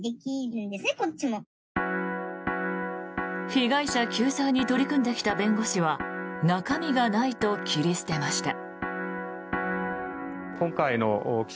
被害者救済に取り組んできた弁護士は中身がないと切り捨てました。